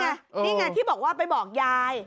นี่ไงที่บอกว่าไปบอกยาย